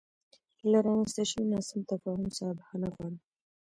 له رامنځته شوې ناسم تفاهم څخه بخښنه غواړم.